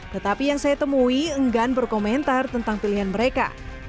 tetapi yang saya temui enggan berkomentar tentang pilihan mereka